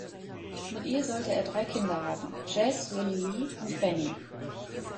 Mit ihr sollte er drei Kinder haben, Jess, Willie Lee und Fanny.